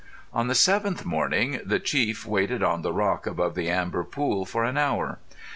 On the seventh morning the chief waited on the rock above the amber pool for an hour.